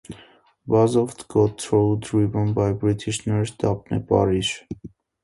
Bazoft got through, driven by British nurse Daphne Parish.